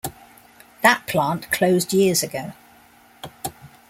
That plant closed years ago.